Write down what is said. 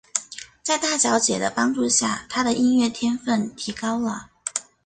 在大小姐的帮助下他的音乐天份提高了。